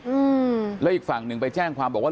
อืมแล้วอีกฝั่งหนึ่งไปแจ้งความบอกว่า